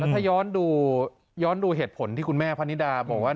ถ้าย้อนดูเหตุผลที่คุณแม่พนิดาบอกว่า